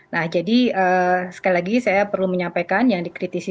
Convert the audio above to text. nah jadi sekali lagi saya perlu menyampaikan yang dikritisi